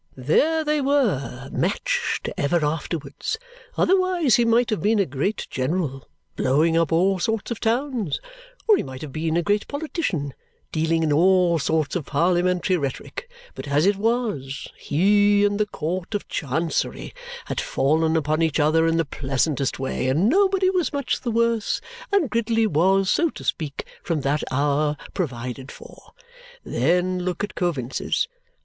There they were, matched, ever afterwards! Otherwise he might have been a great general, blowing up all sorts of towns, or he might have been a great politician, dealing in all sorts of parliamentary rhetoric; but as it was, he and the Court of Chancery had fallen upon each other in the pleasantest way, and nobody was much the worse, and Gridley was, so to speak, from that hour provided for. Then look at Coavinses!